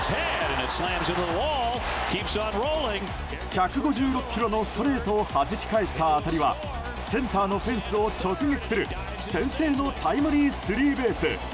１５６キロのストレートをはじき返した当たりはセンターのフェンスを直撃する先制のタイムリースリーベース。